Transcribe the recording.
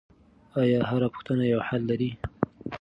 آیا هره پوښتنه یو حل لري؟